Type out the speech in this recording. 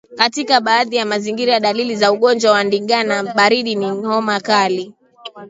Katika baadhi ya mazingira dalili za ugonjwa wa ndigana baridi ni homa kali